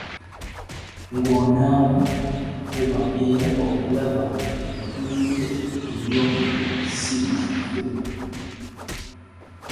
Ng'onaaba, fuba era okulaba nti ebitundu byo eby'omubiri si bizifu.